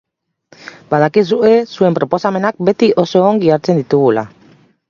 Badakizue zuen proposamenak beti oso ongi hartzen ditugula.